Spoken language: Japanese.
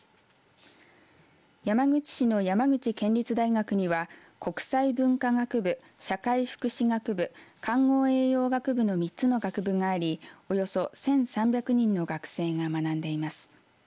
山口市の山口県立大学には国際文化学部、社会福祉学部看護栄養学部の３つの学部がありおよそ１３００人の学生が学んでいます。